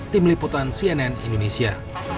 tim liputan cnn indonesia